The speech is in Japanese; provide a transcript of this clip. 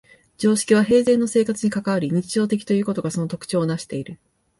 常識は平生の生活に関わり、日常的ということがその特徴をなしている。